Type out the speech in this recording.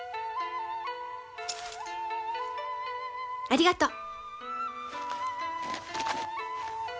ありがとう！